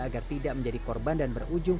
agar tidak menjadi korban dan berujung